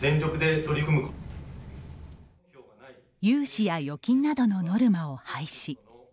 融資や預金などのノルマを廃止。